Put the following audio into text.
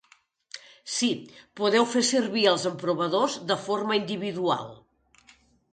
Sí, podeu fer servir els emprovadors de forma individual.